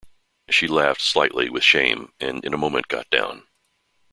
She laughed slightly with shame, and in a moment got down.